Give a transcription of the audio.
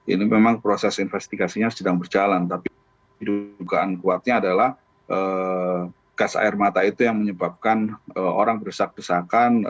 ini memang proses investigasinya sedang berjalan tapi dugaan kuatnya adalah gas air mata itu yang menyebabkan orang berdesak desakan